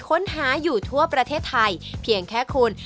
ขอบคุณมากเลยครับผม